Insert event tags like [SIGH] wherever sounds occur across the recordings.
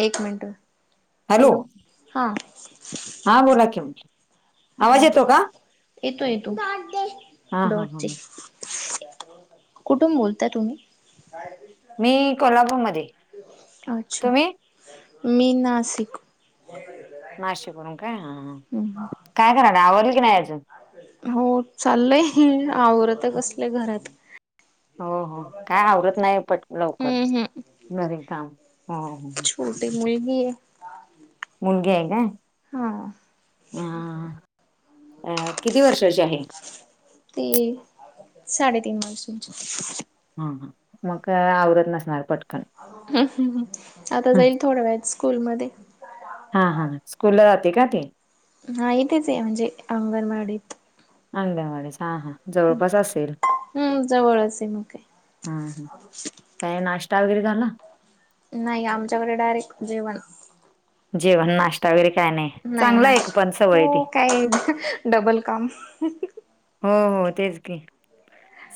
एक minute hello हा. हां बोलाकी. हा येतो, येतो डॉट दे, हा हा हा डॉटचे. हा. कुठुन बोलता तुम्ही? मी कोल्हापूरमध्ये. अच्छा, तुम्ही मी नाशिक. नाशिक वरून काय हा, काय कराला आवरल की नाही आजून? हो चाललंय आवरत कसले घरात. हो हो, काय आवरत नाही पटकण लवकर, हम्म हम्म घरी काम, हो [UNINTELLIGIBLE] छोटी मुलगीये. मुलगी हाय काय, हा. आ किती वर्षाची आहे? ते, साडे तीन वर्षाची. हा हा, मग आवरत नसणार पट [UNINTELLIGIBLE] आता जाईल थोड्या वेळात स्कूलमध्ये. हा हा स्कूल जाते का ती? हा इथेच आहे म्हणजे अंगणवाडीत. [UNINTELLIGIBLE] हा हा जवळपास असेल. हम्म जवळच आहे मग काय हा हम, काय नाश्ता वगैरे झाला? नाही आमच्याकडे डायरेक्ट जेवण. जेवण नाश्ता वगैरे काय नाही चांगला एक पण सवय हो ती. काय डबल काम. हो हो तेच की,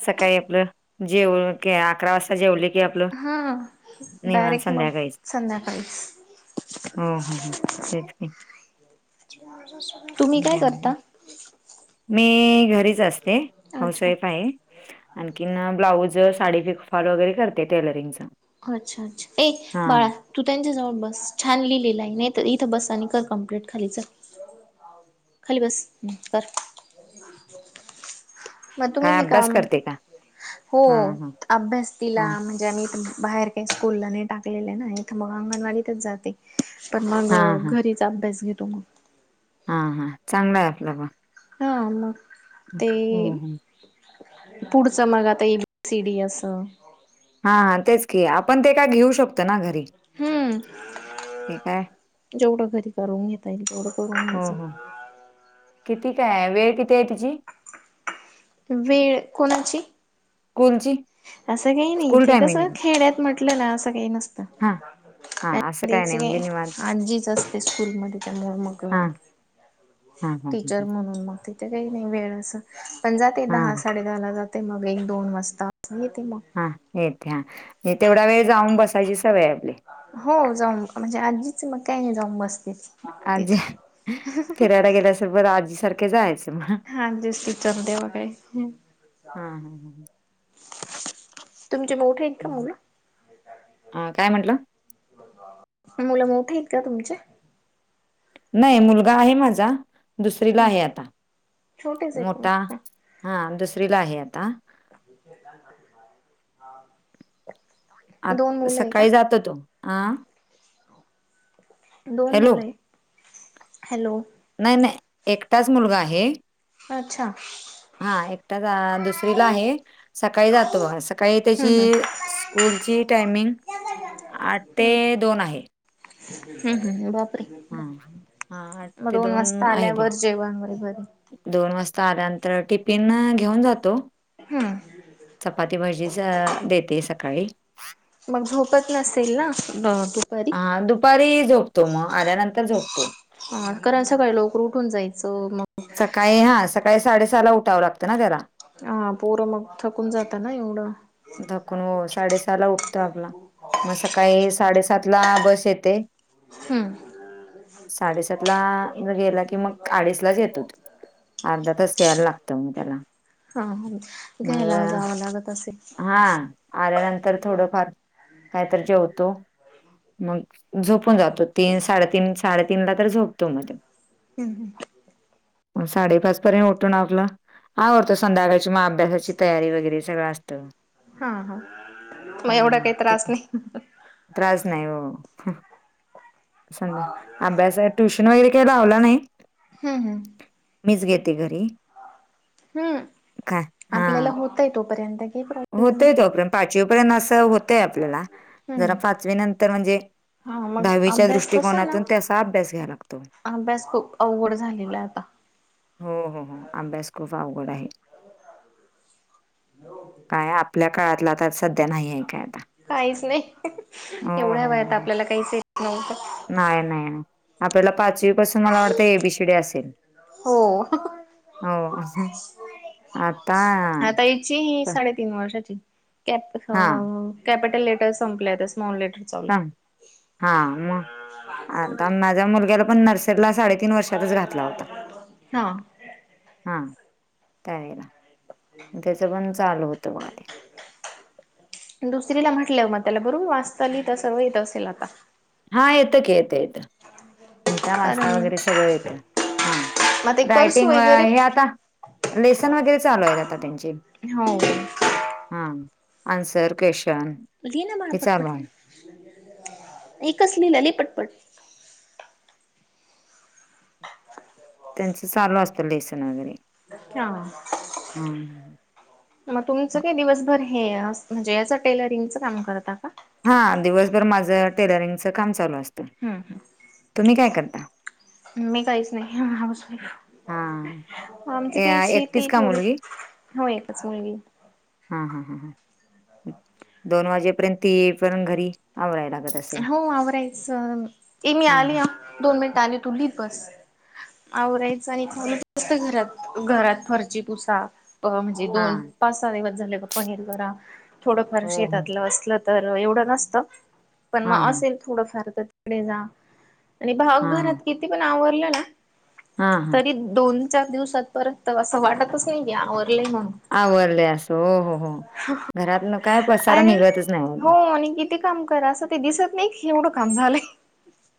सकाळी आपलं, जेव की अकरा वाज जेवले की आपलं, हा निवांत डायरेक्ट मग संध्याकाळीच. संध्याकाळीच हम हम् हम, तेच की. तुम्ही मी काय करता? म्हणते मी घरीच असते, हाऊस अच्छा. वाईफ आहे. आणखीन ब्लाऊज साडी पिकोफॉल वगैरे करते टेलरिंगच. अच्छा अच्छा ये हा बाळा तू त्यांच्याजवळ बस छान लिहिलेल आहे नाही तर इथं बस आणि कर कम्प्लीट खाली च खाली बस हम्म कर, मग तुम्ही काय हे अभ्यास काम करते का? हो, हा हा अभ्यास तीला हा म्हणजे आम्ही पण बाहेर स्कूल नाही टाकलेल आहे ना इथ मग अंगणवाडीतच जाते, पण हा मग हा घरी अभ्यास घेेतो मग. हा हां, चांगला आहे आपल म. हा मग, ते हो हो पुढच मग आता ए बी सी डी असं. हा तेच की आपण ते काय घेऊ शकतो ना घरी. हम्म, ते काय जेवढं घरी करून घेता येईल तेवढं करून हो घ्यायचं. हो. किती काय वेळ किती आहे तिची? वेळ कोणाची? स्कूलची? असं काही नाही स्कूल इथे टायमिंग कसं आहे. खेड्यात म्हटलं ना असं काही नसत. हा हा असं आणि काय नाही म्हणजे निवांत तेच आजीच असते स्कूल मध्ये [UNINTELLIGIBLE] मग हा. हां हां हां टीचर म्हणून मग तिथे काही नाही वेळ असं पण जाते दहा हां साडे दहा ला जाते मग एक दोन वाजता येते मग. हा येत हा, तेवढा वेळ जाऊन बसायची सवय आपली. हो जाऊन म्हणजे आजीच मग काय नाही जाऊन बसते. आजी, तिथं फिरायला गेल्या [UNINTELLIGIBLE] आजीसार का जायच म. हा आजीच टीचर देवा काय हां हां हां. तुमचे मोठे आहेत का हां. मुल? अ काय म्हंटलं? मुलं मोठी आहेत का तुमचे? नाही मुलगा आहे माझा. दुसरीला हं आहे आता. छोटेच आहेत मोठा- मग. हा दुसरीला आहे आता. दोन मुलं आहे का? आ-सकाळी जातो तो. आं? दोन हॅलो मुल येत. हॅलो. नाही नाही एकटाच मुलगा आहे. अच्छा. हा एकटा. दुसरीला आहे सकाळी जातो बघा सकाळी- सकाळी हं हं. त्याची स्कूलची टायमिंग आठ ते दोन आहे. हम् हम्. बाप- हं. हा आठ ते दोन वाजता आहे- आल्यावर जेवण वगैरे. दोन वाजता आल्यानंतर टिफिन घेऊन जातो. हम. चपाती भाजीच देते सकाळी. मग झोपत नसेल ना दुपारी? हा दुपारी झोपतो मग. आल्यानंतर झोपतो. हा कारण सकाळी लवकर उठून जायचं मग- सकाळी हा. सकाळी साडेसहाला उठावं लागतं ना त्याला? हा. पोरं मग थकून जाता ना एवढं? थकून हो. साडेसहा ला उठतो आपला म- काळी साडेसातला बस येते. हम. साडेसात ला गेला की मग अडीच लाच येतो तो. अर्धा तास यायला लागतो मग त्याला. हा ह. घ्यायला मग जावं लागत असेल? हा. आल्यानंतर थोडंफार काहीतरी जेवतो. मग झोपून जातो. तीन साडेतीन साडेतीन ला तर झोपतो म तो. हम्. हम्म. मग साडेपाच पर्यंत उठुन आपलं- आवरतो. संध्याकाळची म अभ्यासाची तयारी वगैरे सगळं असतं. हा, हां. मग एवढा हा काही ते त्रास नाही. त्रास नाही हो. समजा अभ्यास ट्युशन वगैरे तो लावला नाही. हम् हम. मीच घेते घरी. हम्म, काय हा आपल्याला होतय तोपर्यंत घेत राहा. होतय तोपर्यंत. पाचवीपर्यंत असं होतंय आपल्याला जरा हम्म पाचवी नंतर म्हणजे हा मग दहावीच्या अभ्यास कसा ना दृष्टकोनातून त्याचा अभ्यास घ्यावा लागतो. अभ्यास खूप अवघड झालेला आता हो, हो हो. अभ्यास खूप अवघड आहे. काय आपल्या काळातला आता सध्या नाही आहे. काय आता काहीच नाही. एवढ्या वयात आपल्याला काहीच येत नव्हतं. नाय नाय. आपल्याला पाचवी पासून मला वाटतं ए बी सी डी असेल. हो हो असं. आता तीही साडेतीन वर्षाची कॅपी हो हा हो कॅपिटल लेटर संपलं आता स्मॉल लेटर. चालू हं, हा मग आता माझ्या मुलग्याला पण नर्स रीला साडेतीन वर्षातच घातला होता. हा हा त्यावेळेला त्याच पण चालू होत बगा ते. दुसरीला म्हटल्याव मग त्याला बरोबर वाचता लिहिता सर्व येत असेल आता. हा येतं की. येतं येतं. लिहिता वाचता कारण वगैरे सगळं येत हा मग ते करसू रायटिंग वगैरे हे आता लेसन वगैरे चालू आहेत आता त्यांचे. हो हा, अन्सर क्वेशन लिही ना बाळा हे चालू पटपट आहे लिही. एकच लिहलं लिही पटपट. त्यांचं चालू असतं लेसन वगैरे हा मग तुमचं ह काय दिवसभर हे म्हणजे अस टेलरिंगच काम करता का? हा दिवसभर माझं टेलरिंगच काम चालू असतं. हम्म हम्म. तुम्ही काय कर मी काहीच नाही. हाऊस हां, वाइफ. आमची ए काही शेती एकटीच हे का थोडी मुलगी? हो एकच मुलगी. हा हां ह ह दोन वाजेपर्यंत ती येईपर्यंत घरी आवरायला लागत असल. हो आवरायचं. ए मी हां, आली आ हां. दोन मिनिट आली तु लिहित बस. आवरायचं आणि कोणचं नसतं घरात. घरात फरशी पुसा. अ म्हणजे दोन, हां, पाच, सहा दिवस झाले जरा थोडंफार हो, हो. शेतातलं असल तर एवढं नसतं. पण हां, मग हां. असेल थोडंफार तर तिकडे जा आणि पहा हां, घरात किती पण आवरलं ना हां, हां. तरी दोन, चार दिवसात परत असं वाटतच नाही की आवरलंय म्हणून. आवरले आसं हो हो हो. घरातन काय पसारा आणि निघतच नाही. हो आणि किती काम करा असं ते दिसत नाही हेवढं काम झालंय.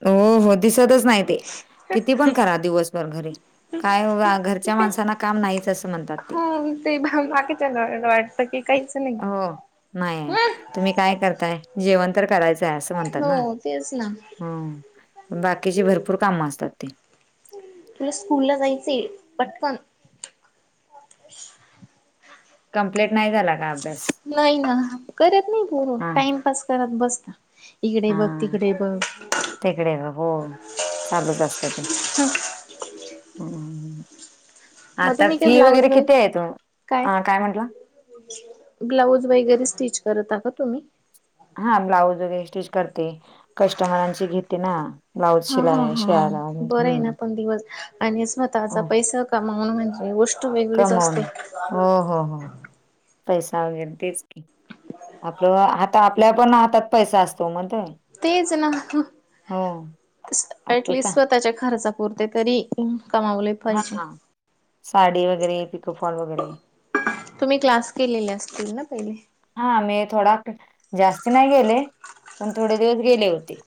हो हो दिसतच नाही ते. किती पण करा दिवसभर घरी. काय घरच्या माणसांना काम नाहीच असं म्हण हा ते बाकी बाकीच्यांना वाटत की काहीच नाही हो, नाही आहे. तुम्ही काय करताय? जेवण तर करायचंय आस म्हणतात ना हो तेच ना अ बाकीची भरपूर कामं असतात ती. तुला स्कूलला जायचं आहे पटकन. कम्पलेट नाही झाला. का अभ्यास? नाही ना. करत नाही पोरं. हा टाइमपास करत बसता. इकडे बघ तिकडे बघ. तीकडे हो चालूच असतं ते. [UNINTELLIGIBLE] ह मग आता तुम्ही काय फी ब्लाऊज वगैरे व किती आहेत ओ हा काय म्हटला? ब्लाऊज वगैरे स्टिच करता का तुम्ही? हा ब्लाऊज वगैरे स्टिच करते. कस्टमरांची घेते ना. ब्लाऊज हा, हा, शिलाय हा, शिवायला वगैरे बरं आहे हं ना पण दिवस आणि स्वतःचा हो, पैसा कमावन म्हणजे गो ष्ट वेगळीच कमवून असते. हो हो, हो. पैसा वगैरे तेच की आपलं आता आपल्या पण हातात पैसा आसतो म्हणत तेच ना आपलं का ऍटलीस्ट त्याच्या खर्चा पुुरते तरी कमावले हा पाहिजे साडी वगैरे पिकफॉल वगैरे तुम्ही क्लास केलेले आसतील ना पहिले? हा मी थोडा जास्ती नाय गेले पण थोडे दिवस गेले होते.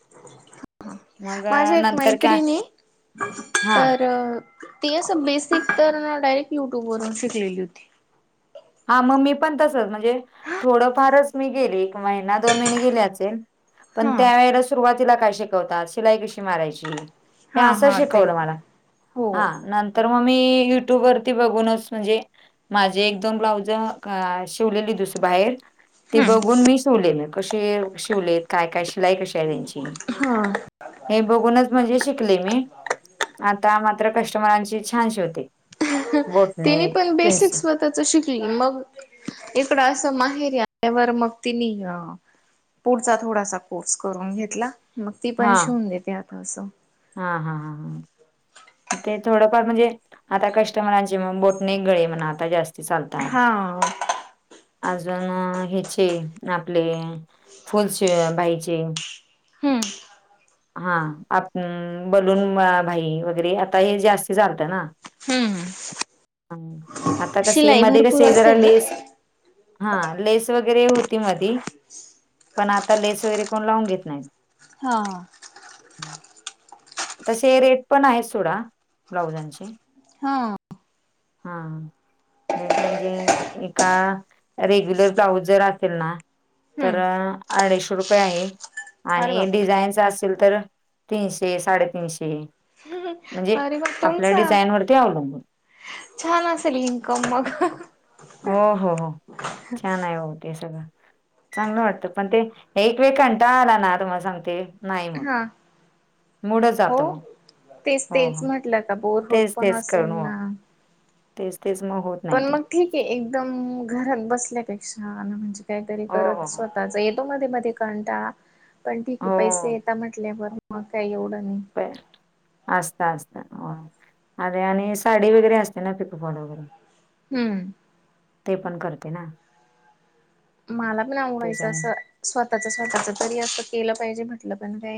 हा मग माझी अ, एक नंतर काय मैत्रिणी ये हा तर ती असं बेसिक करून डायरेक्ट युट्यूब वरून शिकलेली होती. हा म मी पण तसच म्हणजे थोडफारच मी गेली एक महिना दोन महिने गेली आचेन पण हा त्यावेळेला सुरुवातीला काय शिकवतात शिलाई कशी मारायची हे हा असं हा ते शिकवलं मला हो हा नंत तर मी युट्यूब वरती बघूनच म्हणजे माझे पण ब्लाऊज शिवलेली दुसरी बाहेर ती हम्म बघून मी शिवलेले कशे शिवलेत काय काय शिलाई कशी आहे त्यांची हा. हे बघूनच म्हणजे शिकले मी आता मात्र कस्टमरांची छान शिवते. तिनी पण बेसिक स्व ताच शिकली मग इकडं असं माहेरी आल्यावर मग तिनी अ पुढचा थोडासा कोर्स करून घेतला मग ती पण शिवून देते आता असं. हा, हा, हा, हा ते थोडंफार म्हणजे आता कस्टमरांची म बोट नेक गळे म्हणा आता जास्ती चालता हा आजून हेचे आपले फुल स्लीव्ह बाहीचे हम्म हा आप हम् बलून बाही वगैरे आता हे जास्तीच चालतं ना हम्म आता कसे शिलाई मधे भरपूर कसे जरा असेल ना लेस हा लेस वगैरे होती मधी पण आता लेस वगैरे कोण लावून घेत नाहीत. हा. हम्म तसे रेट पण आहेत सोडा ब्लाउजांचे हा हां रेट म्हणजे एका रेग्युलर ब्लाऊज जर असेल ना तर हम्म अडीशे रुपये आहे अरे आणि बापरे डिझाईनचा असेल तर तीनशे साडेतीनशे म्हणजे अरे मग आपल्या तुमचा डिझाईन वरती अवलंबून छान असेल इन्कम मग. हो हो हो छान आहे ओ ते सगळं. चांगलं वाटतं पण ते एक वेळ कंटाळा आला ना तुम्हाला सांगते नाही म हा हो तेच हो तेच हो म्हटलं का बोर होत तेच पण तेच करून असेल हो ना? तेच तेच मग होत पण नाही ते मग ठीक ये एकदम घरात बसल्यापेक्षा ना म्हणजे काय तरी हो हो करत स्वतः येतो मध्ये मध्ये कंटाळा पण ठीक आहे हो पैसे येत म्हटल्यावर मग काय एवढं नाही. असत असत. अरे आणि साडी वगरे असते ना पिकफॉल वगैरे हम्म ते पण करते ना. मला पण आवडायचं त्याच्यामुळे असं स्वतःच स्वतःच तरी असं केलं पाहिजे म्हटलं पण काही